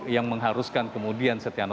yang mengharuskan kemudian setia novanto